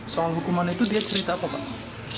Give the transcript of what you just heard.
soal hukuman itu dia cerita apa pak